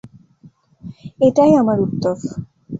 এটাই আমার উত্তর।